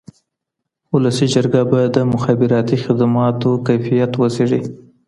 ولسي جرګه به د مخابراتي خدماتو کيفيت وڅېړي.